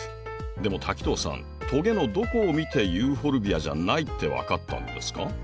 でも滝藤さんトゲのどこを見てユーフォルビアじゃないって分かったんですか？